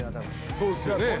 そうですよね。